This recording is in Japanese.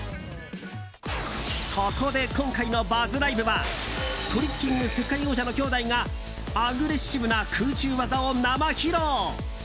そこで今回のＢＵＺＺＬＩＶＥ！はトリッキング世界王者の兄弟がアグレッシブな空中技を生披露。